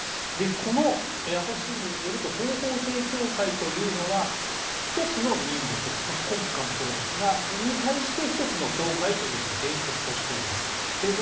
この朝日新聞によると東方正教会というのは１つの民族、国家もそうですがそれに対して１つの教会というのを原則としています。